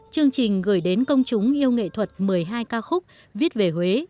chương trình gửi đến công chúng yêu nghệ thuật một mươi hai ca khúc viết về huế